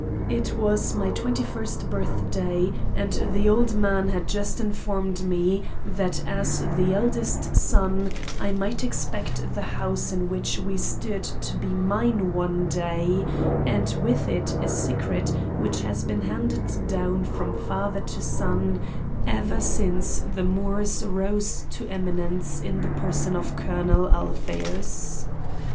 It was my twenty first birthday and the old man had just informed me that as the eldest son I might expect the house in which we stood to be mine one day and with it a secret which has been handed down from father to son ever since the Moores rose to eminence in the person of Colonel Alpheus.